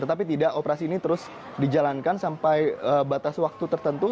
tetapi tidak operasi ini terus dijalankan sampai batas waktu tertentu